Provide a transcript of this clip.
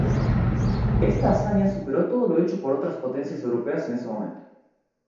Esta hazaña superó todo lo hecho por otras potencias europeas en ese momento.